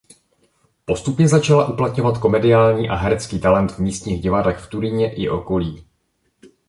Postupně začala uplatňovat komediální a herecký talent v místních divadlech v Turíně i okolí.